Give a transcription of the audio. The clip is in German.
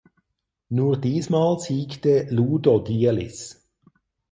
Nur diesmal siegte Ludo Dielis.